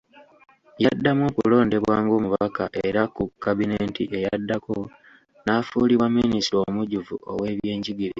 Yaddamu okulondebwa ng’omubaka era ku kabineeti eyaddako n’afuulibwa Minisita omujjuvu ow’ebyenjigiriza.